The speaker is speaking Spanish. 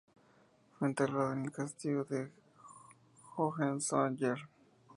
Fue enterrado en el Castillo de Hohenzollern.